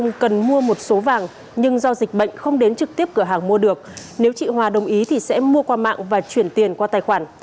nguyễn thị cẩm anh đã mua một số vàng nhưng do dịch bệnh không đến trực tiếp cửa hàng mua được nếu chị hòa đồng ý thì sẽ mua qua mạng và chuyển tiền qua tài khoản